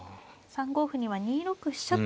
３五歩には２六飛車と。